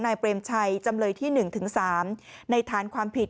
นายเปลมชัยจำเลยที่๑๓ในฐานความผิด